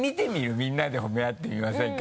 「みんなで褒め合ってみませんか？」